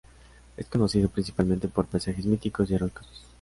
Es conocido principalmente por paisajes míticos y heroicos.